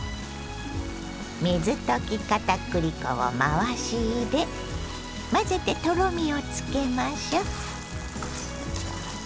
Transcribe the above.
水溶き片栗粉を回し入れ混ぜてとろみをつけましょう。